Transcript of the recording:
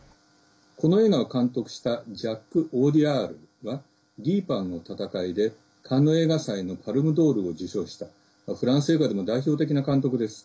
この映画を監督したジャック・オディアールは「ディーパンの闘い」でカンヌ映画祭のパルム・ドールを受賞したフランス映画でも代表的な監督です。